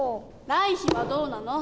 来緋はどうなの？